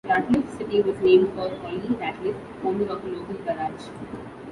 Ratliff City was named for Ollie Ratliff, owner of a local garage.